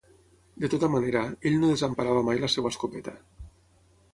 De tota manera, ell no desemparava mai la seva escopeta